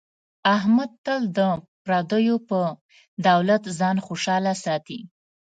احمد تل د پردیو په دولت ځان خوشحاله ساتي.